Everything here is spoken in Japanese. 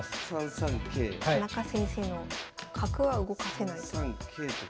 田中先生の角は動かせないと。